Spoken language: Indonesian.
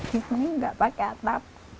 di sini nggak pakai atap